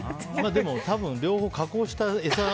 でも、多分、両方加工した餌。